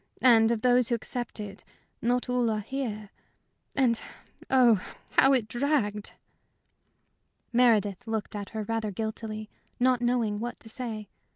And of those who accepted, not all are here. And, oh, how it dragged!" Meredith looked at her rather guiltily, not knowing what to say.